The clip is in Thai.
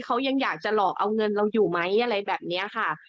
เขายังอยากจะหลอกเอาเงินเราอยู่ไหมอะไรแบบนี้ค่ะ